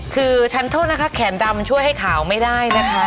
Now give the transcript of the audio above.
คือฉันโทษนะคะแขนดำช่วยให้ขาวไม่ได้นะคะ